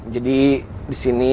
jadi di sini